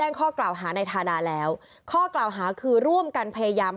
ทุกคนช่วยขอสมัวยเสียหวังใช่ไหม